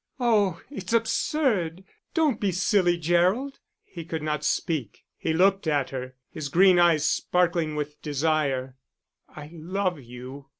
"Oh, it's absurd! Don't be silly, Gerald." He could not speak; he looked at her, his green eyes sparkling with desire. "I love you."